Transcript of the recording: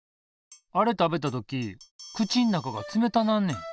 あれ食べた時口ん中が冷たなんねん。